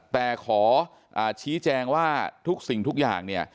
แต่ขอชี้แจงว่าทุกสิ่งทุกอย่างเนี่ย